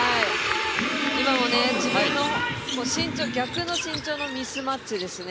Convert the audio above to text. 今も自分の逆の身長のミスマッチですね。